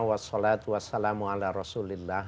wassalamualaikum warahmatullahi wabarakatuh